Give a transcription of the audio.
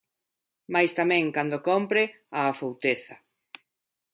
Mais tamén, cando cómpre, a afouteza.